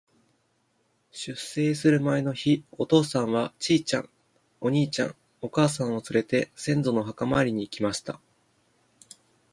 出征する前の日、お父さんは、ちいちゃん、お兄ちゃん、お母さんをつれて、先祖の墓参りに行きました。